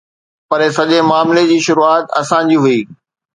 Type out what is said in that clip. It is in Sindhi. پر سڄي معاملي جي شروعات اسان جي هئي.